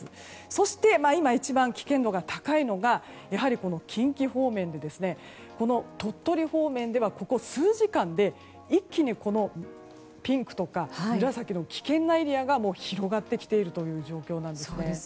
そして今一番危険度が高いのがやはり近畿方面で鳥取方面では、ここ数時間で一気にピンクや紫の危険なエリアが広がってきているという状況です。